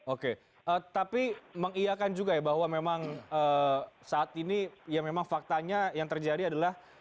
oke tapi mengiakan juga ya bahwa memang saat ini ya memang faktanya yang terjadi adalah